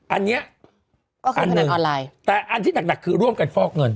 อันนี้อันที่หนักคือร่วมกันฟอกเงิน